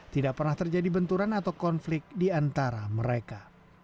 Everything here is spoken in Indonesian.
tidak pernah terjadi benturan atau konflik diantara mereka